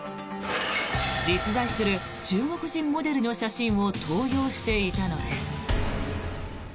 実在する中国人モデルの写真を盗用していたのです。